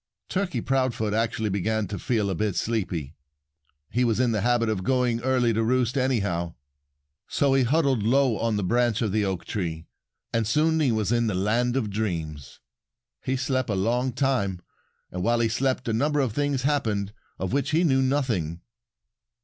Turkey Proudfoot actually began to feel a bit sleepy. He was in the habit of going early to roost anyhow. So he huddled low on the branch of the oak tree. And soon he was in the land of dreams. He slept a long time. And while he slept a number of things happened of which he knew nothing.